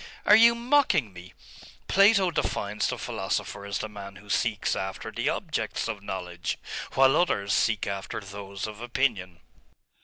'Are you mocking me? Plato defines the philosopher as the man who seeks after the objects of knowledge, while others seek after those of opinion.